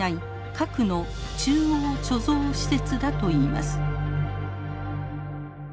核の中央貯蔵施設だといいます。